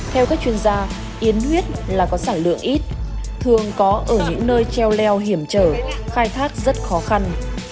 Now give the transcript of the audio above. theo các chuyên gia yến huyết là có sản lượng ít thường có ở những nơi treo leo hiểm trở khai thác rất khó khăn